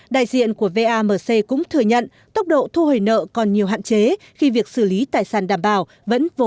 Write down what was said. đại diện của vamc cũng thừa nhận tốc độ thu hồi nợ còn nhiều hạn chế khi việc xử lý tài sản đảm bảo vẫn vô